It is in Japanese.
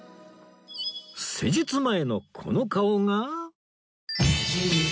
施術前のこの顔が